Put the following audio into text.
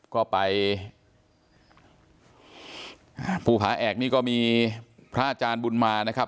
ก็ไปอ่าภูผาแอกนี่ก็มีพระอาจารย์บุญมานะครับ